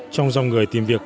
trong dòng người tìm việc